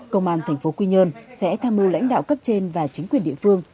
công an tp quy nhơn sẽ tham mưu lãnh đạo cấp trên và chính quyền địa phương